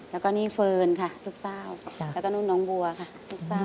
แล้วก็นี่เฟิร์นค่ะลูกเศร้าแล้วก็นู่นน้องบัวค่ะลูกสาว